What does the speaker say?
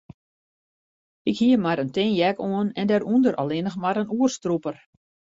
Ik hie mar in tin jack oan en dêrûnder allinnich mar in oerstrûper.